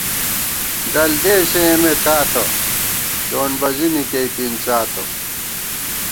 ڈل دېسے اېمے تاتہ ، ڈونڈبَزِنی کېئی پِنڅاتہ